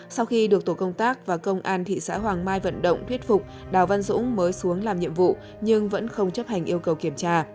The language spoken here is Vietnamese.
sau khi được tổ công tác và công an thị xã hoàng mai vận động thuyết phục đào văn dũng mới xuống làm nhiệm vụ nhưng vẫn không chấp hành yêu cầu kiểm tra